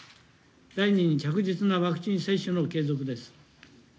第２に、着実なワクチン接種の継続です。